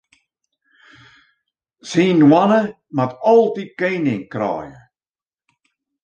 Syn hoanne moat altyd kening kraaie.